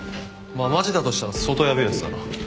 まあマジだとしたら相当ヤベえやつだな。